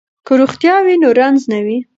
که روغتیا وي نو رنځ نه وي.